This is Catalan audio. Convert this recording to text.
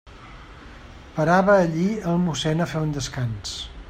Parava allí el mossén a fer descans.